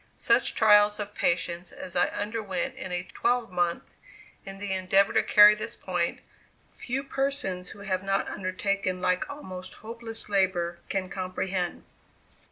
Such trials of patience as I underwent in a twelvemonth, in the endeavor to carry this point, few persons who have not undertaken like almost hopeless labor can comprehend.